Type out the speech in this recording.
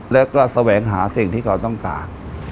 แล้วก็แสวงหาสิ่งที่เขาต้องการ